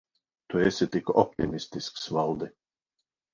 Tu esi tik optimistisks, Valdi.